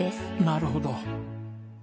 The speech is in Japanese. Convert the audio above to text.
なるほど。